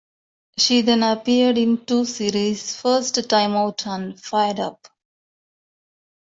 She then appeared in two series, "First Time Out" and "Fired Up".